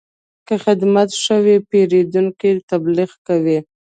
که خدمت ښه وي، پیرودونکی تبلیغ کوي.